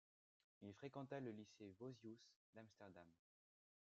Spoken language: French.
Il fréquenta le lycée Vossius d’Amsterdam.